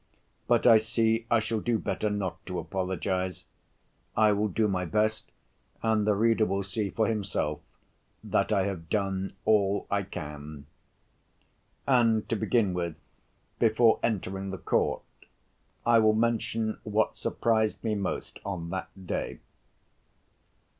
But I see I shall do better not to apologize. I will do my best and the reader will see for himself that I have done all I can. And, to begin with, before entering the court, I will mention what surprised me most on that day.